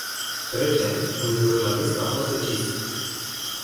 Recent, un jurnalist a fost ucis.